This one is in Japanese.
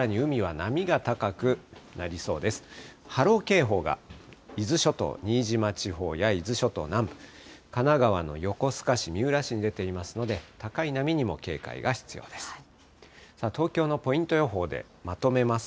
波浪警報が伊豆諸島、新島地方や伊豆諸島南部、神奈川の横須賀市、三浦市に出ていますので、高い波にも警戒が必要です。